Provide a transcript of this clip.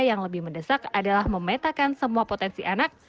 yang lebih mendesak adalah memetakan semua potensi anak